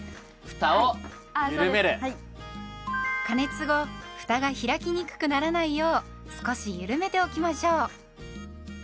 加熱後ふたが開きにくくならないよう少しゆるめておきましょう。